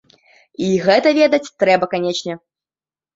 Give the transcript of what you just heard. І гэта ведаць трэба канечне.